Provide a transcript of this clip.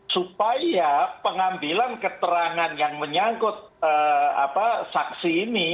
supaya pengambilan keterangan yang menyangkut saksi ini